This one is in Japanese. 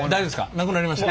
なくなりました？